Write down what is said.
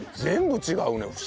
全部違うね。